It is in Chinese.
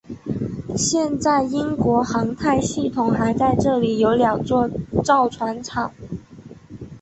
现在英国航太系统还在这里有两座造船厂。